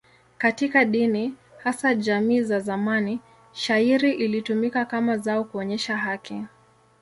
Katika dini, hasa jamii za zamani, shayiri ilitumika kama zao kuonyesha haki.